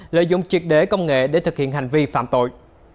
lợi dụng triệt để công nghệ để thực hiện hành vi phạm tội